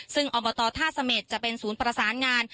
ซึ่งอบตท่าเสม็ดจะเป็นศูนย์ประสานงาน